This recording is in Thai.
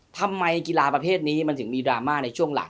ทำไมกีฬาประเภทนี้มันถึงมีดราม่าในช่วงหลัง